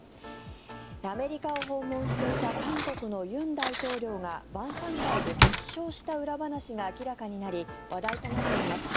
アメリカを訪問していた韓国の尹大統領が晩さん会で熱唱した裏話が明らかになり話題となっています。